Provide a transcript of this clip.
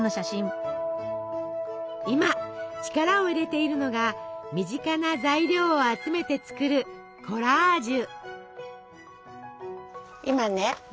今力を入れているのが身近な材料を集めて作るコラージュ。